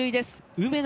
梅野